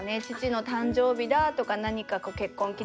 父の誕生日だとか何か結婚